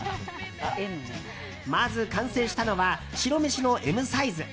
まず完成したのは白飯のＭサイズ。